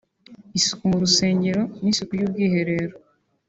isuku mu rusengero n’isuku y’ubwiherero